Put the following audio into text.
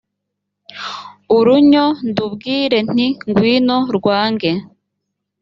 urunyo ndubwire nti ngwino rwange